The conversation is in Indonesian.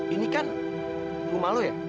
ini kan rumah lo ya